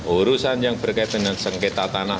urusan yang berkaitan dengan sengketa tanah